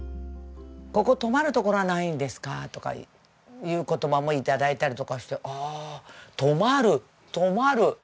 ここ泊まる所はないんですか？とかいう言葉も頂いたりとかしてああ泊まる泊まる？